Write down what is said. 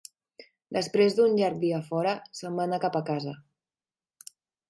Després d'un llarg dia fora, se'n van anar cap a casa.